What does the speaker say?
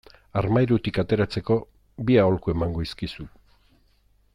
Armairutik ateratzeko bi aholku emango dizkizut.